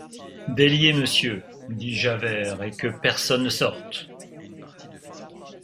Déliez monsieur, dit Javert, et que personne ne sorte!